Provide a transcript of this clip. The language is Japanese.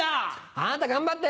あなた頑張って。